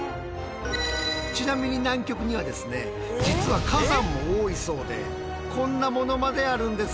ちなみに南極にはですね実は火山も多いそうでこんなものまであるんです。